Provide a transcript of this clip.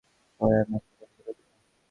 পরে আমি আপনাকে লিখিত দিবো।